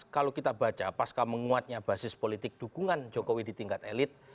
dua ribu lima belas dua ribu enam belas kalau kita baca paska menguatnya basis politik dukungan jokowi di tingkat elit